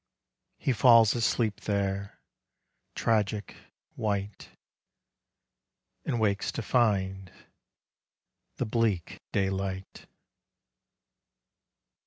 He falls asleep there, tragic white, — And wakes to find the bleak daylight.